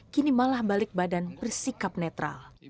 kini malah balik badan bersikap netral